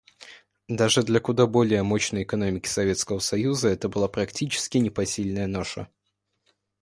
Даже для куда более мощной экономики Советского Союза это была практически непосильная ноша.